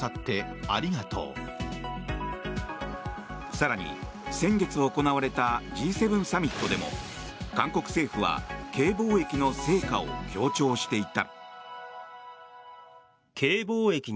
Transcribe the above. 更に先月行われたＧ７サミットでも韓国政府はＫ防疫の成果を強調していた。